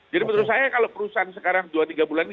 jadi menurut saya kalau perusahaan sekarang dua tiga bulan ini